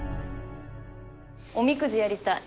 おみくじやりたい。